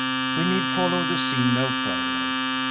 We need follow the scene no further.